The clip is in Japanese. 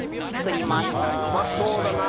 うまそうだな。